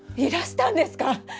いらしたんですか！？